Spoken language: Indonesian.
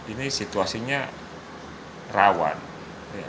ini situasinya rawan